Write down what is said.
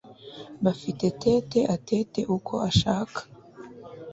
Bafite tete atete uko ashaka